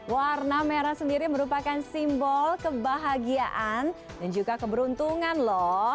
warna merah sendiri merupakan simbol kebahagiaan dan juga keberuntungan loh